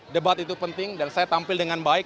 debat itu penting dan saya tampil dengan baik